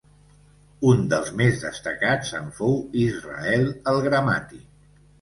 Un dels més destacats en fou Israel el Gramàtic.